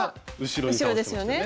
後ろですよね。